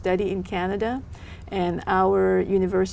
từ canada từ khu vực